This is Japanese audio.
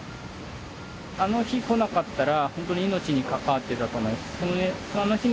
あの日来なかったらほんとに命に関わってたと思います。